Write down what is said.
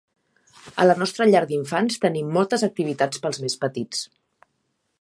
A la nostra llar d'infants tenim moltes activitats pels més petits.